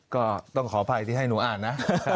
ก็ต้องขออภัยที่ให้หนูอ่านนะ